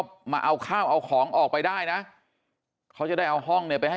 ก็มาเอาข้าวเอาของออกไปได้นะเขาจะได้เอาห้องเนี่ยไปให้